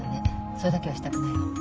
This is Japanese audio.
それだけはしたくないの。